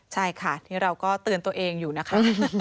ใช่ค่ะนี่เราก็เตือนตัวเองอยู่นะคะ